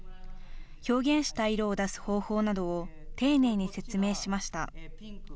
表現したい色を出す方法などを丁寧に説明しました。